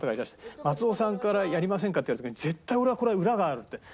松尾さんから「やりませんか？」って言われた時に絶対俺はこれは裏があるって。